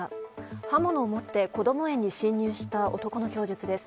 刃物を持ってこども園に侵入した男の供述です。